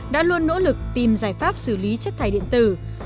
đã luôn nỗ lực tìm giải pháp xử lý chất thải điện tử